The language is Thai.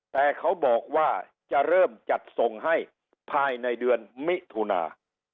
แต่เขาบอกว่าจะเริ่มจัดส่งให้ภายในเดือนมิถุนา